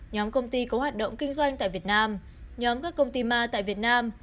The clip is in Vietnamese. nhóm công ty có hoạt động kinh doanh tại việt nam nhóm các công ty ma tại việt nam